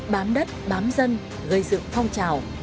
bám đất bám dân gây sự phong trào